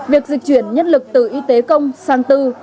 việc dịch chuyển nhân lực từ y tế công sang tư